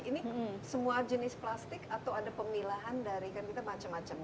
ini semua jenis plastik atau ada pemilahan dari kan kita macam macam